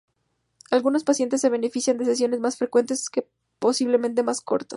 Algunos pacientes se benefician de sesiones más frecuentes, pero posiblemente más cortas.